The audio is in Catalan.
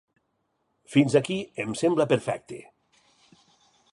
Fins aquí, em sembla perfecte.